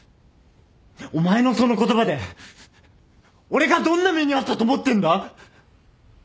お前のその言葉で俺がどんな目に遭ったと思ってんだ！